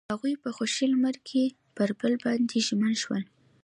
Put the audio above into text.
هغوی په خوښ لمر کې پر بل باندې ژمن شول.